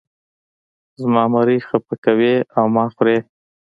زما مرۍ خپه کوې او ما خورې.